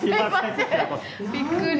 びっくり。